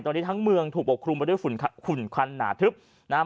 ตอนนี้ทั้งเมืองถูกปกคลุมไปด้วยฝุ่นควันหนาทึบนะครับ